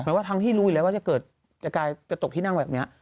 หมายถึงทั้งที่รู้อยู่แล้วว่าจะเกิดจะกลายจะตกที่นั่งแบบนี้